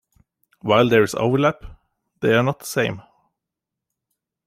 While there is overlap, they are not the same.